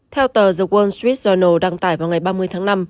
theo tờ the world street journal đăng tải vào ngày ba mươi tháng năm